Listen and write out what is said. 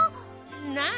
なあ。